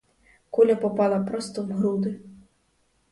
Куля попала просто в груди.